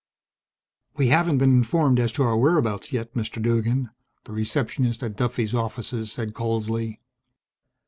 "We haven't been informed as to her whereabouts yet, Mr. Duggan," the receptionist at Duffey's offices said coldly.